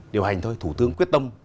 điều hành thôi thủ tướng quyết tâm